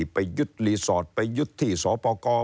ไปยึดรีสอร์ทไปยึดที่สปกร